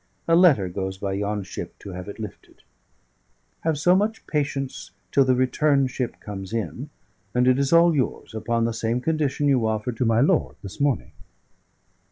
A letter goes by yon ship to have it lifted. Have so much patience till the return ship comes in, and it is all yours, upon the same condition you offered to my lord this morning."